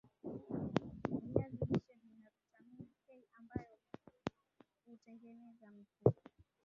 viazi lishe Vina vitamini K ambayo hutengeneza mifupa